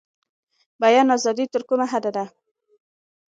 بیان ازادي تر کومه حده ده؟